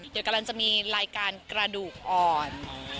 เดี๋ยวกำลังจะมีรายการกระดูกอ่อน